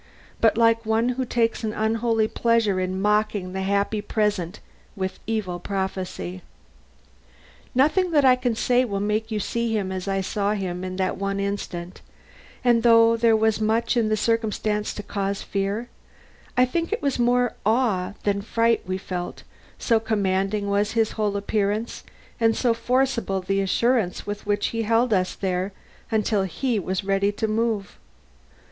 but like one who takes an unholy pleasure in mocking the happy present with evil prophecy. Nothing that I can say will make you see him as I saw him in that one instant, and though there was much in the circumstance to cause fear, I think it was more awe than fright we felt, so commanding was his whole appearance and so forcible the assurance with which he held us there till he was ready to move.